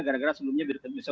gara gara sebelumnya bisa